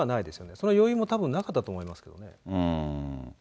その余裕もたぶんなかったと思いますけどね。